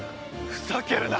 ふざけるな。